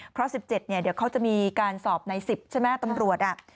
เพราะ๑๗เนี่ยเดี๋ยวเขาจะมีการสอบใน๑๐ใช่ไหมตำรวจ